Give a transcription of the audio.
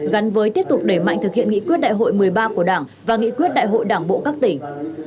gắn với tiếp tục đẩy mạnh thực hiện nghị quyết đại hội một mươi ba của đảng và nghị quyết đại hội đảng bộ các tỉnh